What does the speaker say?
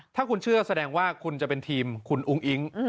ถ้าคุณเชื่อแสดงว่าคุณจะเป็นทีมคุณอุ้งอิ๊ง